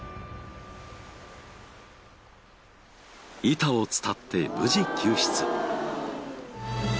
板を伝って無事救出。